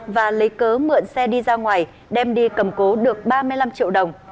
và lấy cớ mượn xe đi ra ngoài đem đi cầm cố được ba mươi năm triệu đồng